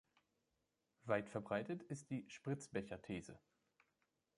Weit verbreitet ist die „Spritzbecher-These“.